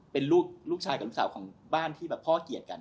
เป็นลูกชายกับลูกสาวของบ้านที่แบบพ่อเกลียดกัน